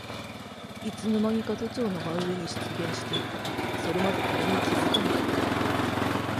いつのまにか都庁の真上に出現していた。それまで誰も気づかなかった。